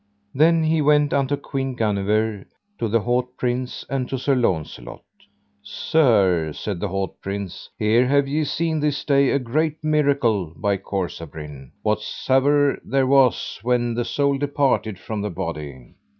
Then he went unto Queen Guenever, to the haut prince, and to Sir Launcelot. Sir, said the haut prince, here have ye seen this day a great miracle by Corsabrin, what savour there was when the soul departed from the body.